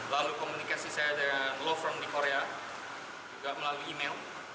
lalu komunikasi saya dengan law firm di korea juga melalui email